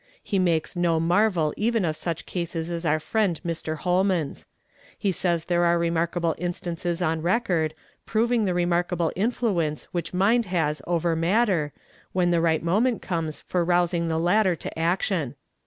He makes no marvel even of such cases as our friend Mr. Holman's. He says there are remark able instances on record, proving the remarkable influence which mind has over matter, wlien the right moment comes for rousing the latter to ac tion.